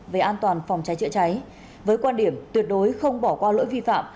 về an toàn phòng trái trịa trái với quan điểm tuyệt đối không bỏ qua lỗi vi phạm